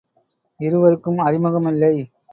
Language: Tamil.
இருவருக்கும் அறிமுகம் இல்லை.